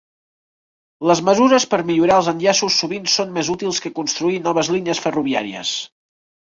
Les mesures per millorar els enllaços sovint són més útils que construir noves línies ferroviàries.